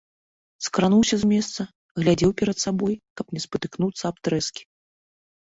Скрануўся з месца, глядзеў перад сабою, каб не спатыкнуцца аб трэскі.